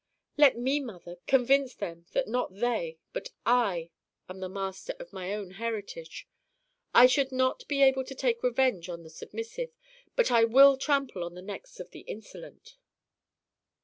"Let me, mother, convince them that not they, but I am the master of my own heritage. I should not be able to take revenge on the submissive, but I will trample on the necks of the insolent.